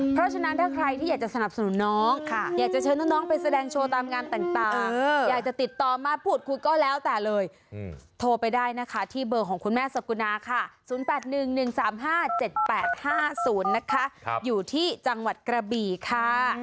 เพราะฉะนั้นถ้าใครที่อยากจะสนับสนุนน้องอยากจะเชิญน้องไปแสดงโชว์ตามงานต่างอยากจะติดต่อมาพูดคุยก็แล้วแต่เลยโทรไปได้นะคะที่เบอร์ของคุณแม่สกุณาค่ะ๐๘๑๑๓๕๗๘๕๐นะคะอยู่ที่จังหวัดกระบี่ค่ะ